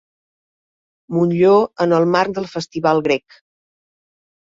Montllor en el marc del Festival Grec.